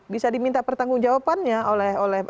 bisa diminta pertanggung jawabannya oleh